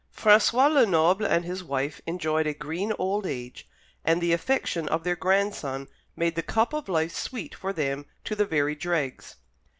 François Lenoble and his wife enjoyed a green old age, and the affection of their grandson made the cup of life sweet for them to the very dregs.